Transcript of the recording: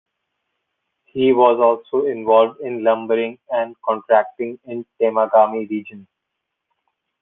He was also involved in lumbering and contracting in the Temagami region.